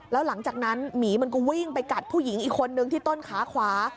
แล้วหลังจากนั้นหมีมันก็วิ่งไปกัดผู้หญิงอีกคนนึงที่ต้นขาขวา